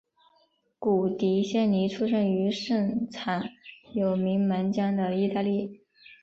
古迪仙尼出生于盛产有名门将的意大利。